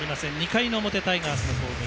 ２回の表、タイガースの攻撃。